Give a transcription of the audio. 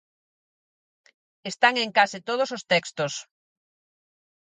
Están en case todos os textos.